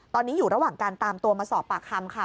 ตอนนี้อยู่ระหว่างการตามตัวมาสอบปากคำค่ะ